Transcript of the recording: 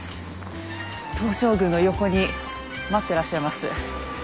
東照宮の横に待ってらっしゃいます。